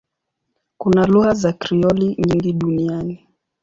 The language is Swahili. Kuna lugha za Krioli nyingi duniani.